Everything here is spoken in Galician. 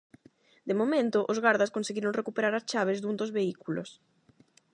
De momento, os gardas conseguiron recuperar as chaves dun dos vehículos.